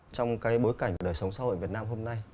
trong cái bối cảnh đời sống xã hội việt nam hôm nay